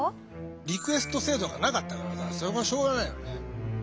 リクエスト制度がなかったからさしょうがないよね。